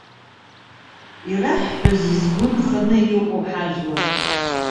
Ираҳҳәозеи згәы нханы иҟоу ҳажәлар?